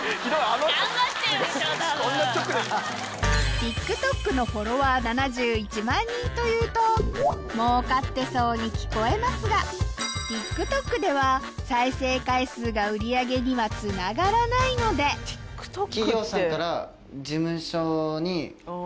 ＴｉｋＴｏｋのフォロワー７１万人というと儲かってそうに聞こえますがＴｉｋＴｏｋでは再生回数が売り上げにはつながらないのでそれで。